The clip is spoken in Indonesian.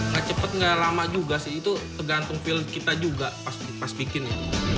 gak cepet gak lama juga sih itu tergantung feel kita juga pas bikinnya